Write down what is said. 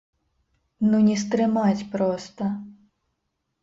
Ну не стрымаць проста.